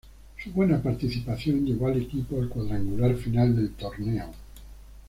Su buena participación llevó al equipo al cuadrangular final del torneo.